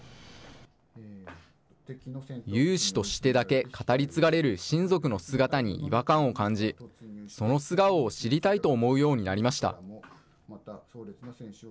勇士としてだけ語り継がれる親族の姿に違和感を感じ、その素顔を知りたいと思うようになりました。